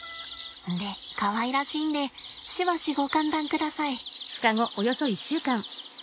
でかわいらしいんでしばしご歓談ください。